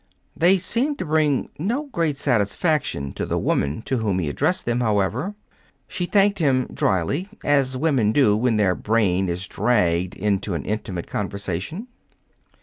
They seemed to bring no great satisfaction to the woman to whom he addressed them, however. She thanked him dryly, as women do when their brain is dragged into an intimate conversation.